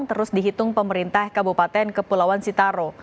terus dihitung pemerintah kabupaten kepulauan sitaro